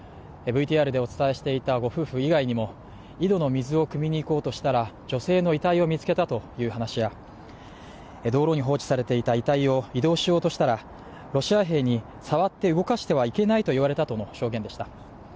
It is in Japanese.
ＶＴＲでお伝えしていたご夫婦以外にも井戸の水をくみにいこうとしたら女性の遺体を見つけたという話や道路に放置されていた遺体を移動しようとしたら、ロシア兵に、触って動かしてはいけないと言われたとの証言でした。